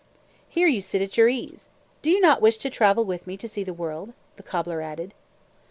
"Here you sit at your ease. Do you not wish to travel with me to see the world?" the cobbler added.